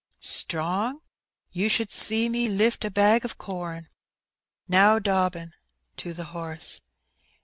"Strong? You should see me lift a bag o* com! Now, Dobbin/* to the horse.